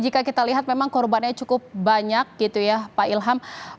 jika kita lihat memang korbannya cukup banyak gitu ya pak ilham